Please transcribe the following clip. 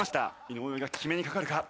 井上が決めにかかるか？